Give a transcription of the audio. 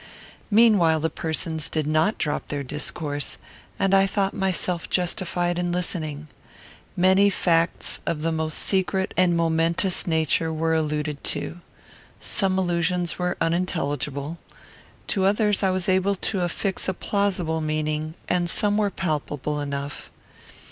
Meanwhile the persons did not drop their discourse, and I thought myself justified in listening. Many facts of the most secret and momentous nature were alluded to. Some allusions were unintelligible. To others I was able to affix a plausible meaning, and some were palpable enough.